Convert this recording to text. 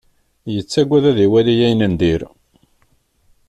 Yettagad ad iwali ayen n dir.